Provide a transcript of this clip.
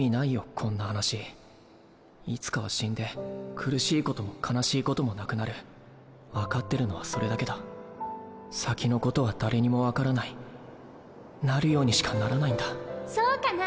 こんな話いつかは死んで苦しいことも悲しいこ分かってるのはそれだけだ先のことは誰にも分からないなるようにしかならないんだそうかな？